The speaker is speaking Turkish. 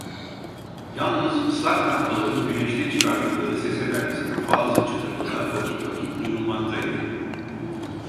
Yalnız ıslak tahtaların güneşte çıkardıkları sese benzeyen bazı çıtırtılar vakit vakit duyulmaktaydı.